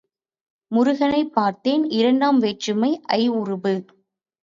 முருகனைப் பார்த்தேன் இரண்டாம் வேற்றுமை ஐ உருபு.